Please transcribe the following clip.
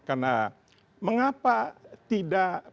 karena mengapa tidak